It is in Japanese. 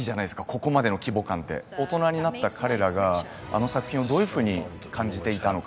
ここまでの規模感って大人になった彼らがあの作品をどういうふうに感じていたのか